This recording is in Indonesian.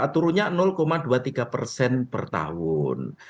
turunnya dua puluh tiga persen per tahun